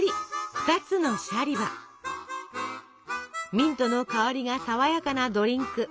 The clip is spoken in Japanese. ミントの香りがさわやかなドリンク。